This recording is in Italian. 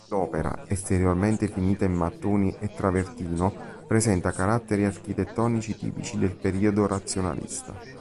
L'opera, esteriormente finita in mattoni e travertino, presenta caratteri architettonici tipici del periodo razionalista.